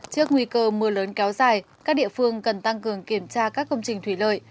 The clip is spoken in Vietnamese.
trước nguy cơ mưa lớn kéo dài các địa phương cần tăng cường kiểm tra các công trình thủy lợi